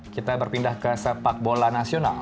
kita berpindah ke sepak bola nasional